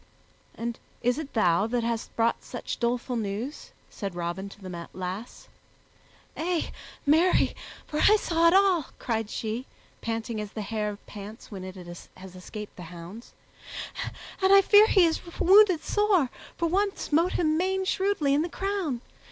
"And is it thou that hast brought such doleful news?" said Robin to the lass. "Ay, marry, for I saw it all," cried she, panting as the hare pants when it has escaped the hounds, "and I fear he is wounded sore, for one smote him main shrewdly i' the crown.